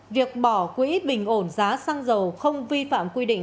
việc bỏ quỹ bình ổn giá xăng dầu không vi phạm quy định